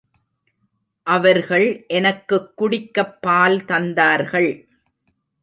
அவர்கள் எனக்குக் குடிக்கப் பால் தந்தார்கள்.